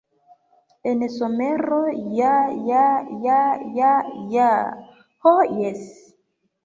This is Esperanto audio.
En somero, ja ja ja ja ja... ho jes!